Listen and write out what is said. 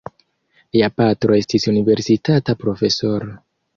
Lia patro estis universitata profesoro.